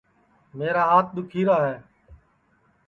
میرا ہات دُؔکھی راہے